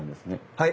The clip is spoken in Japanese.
はい。